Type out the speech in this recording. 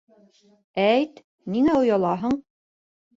Әйт, ниңә оялаһың?